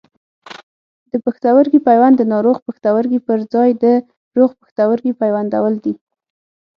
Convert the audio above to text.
د پښتورګي پیوند د ناروغ پښتورګي پر ځای د روغ پښتورګي پیوندول دي.